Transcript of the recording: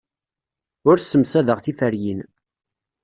Ur ssemsadeɣ tiferyin.